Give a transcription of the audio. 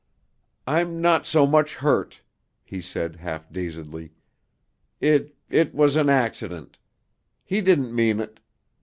"I'm not much hurt," he said half dazedly. "It it was an accident. He didn't mean it.